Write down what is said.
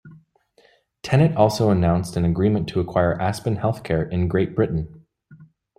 Tenet also announced an agreement to acquire Aspen Healthcare in Great Britain.